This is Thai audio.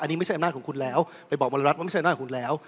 อันนี้ไม่ใช่อำนาจของคุณแล้วไปบอกมริรัติว่าไม่ใช่อำนาจของคุณแล้ว